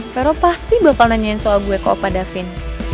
pero pasti bakal nanyain soal gue ke opa davin